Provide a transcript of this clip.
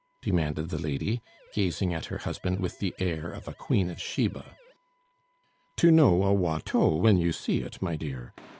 demanded the lady, gazing at her husband with the air of a Queen of Sheba. "To know a Watteau when you see it, my dear.